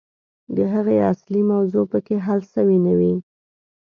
د هغې اصلي موضوع پکښې حل سوې نه وي.